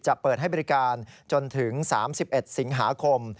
เปิดให้บริการจนถึง๓๑สิงหาคม